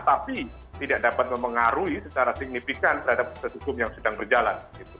tapi tidak dapat mempengaruhi secara signifikan terhadap proses hukum yang sedang berjalan